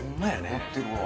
やってるわ。